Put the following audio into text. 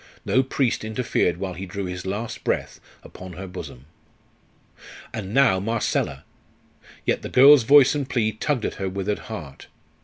No priest interfered while he drew his last breath upon her bosom. And now Marcella! Yet the girl's voice and plea tugged at her withered heart.